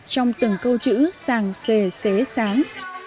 trong từng câu chữ sàng xề xế sáng